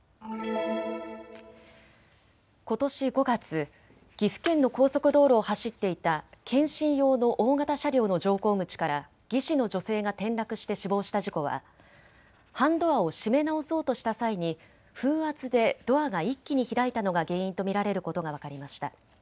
ことし５月、岐阜県の高速道路を走っていた検診用の大型車両の乗降口から技師の女性が転落して死亡した事故は半ドアを閉め直そうとした際に風圧でドアが一気に開いたのが原因と見られることが分かりました。